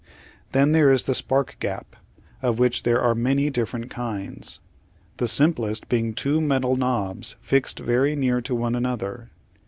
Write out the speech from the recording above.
Then there is the spark gap, of which there are many different kinds, the simplest being two metal knobs fixed very near to one another.